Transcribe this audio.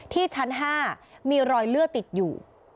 ที่ชั้น๕มีรอยเลือดติดอยู่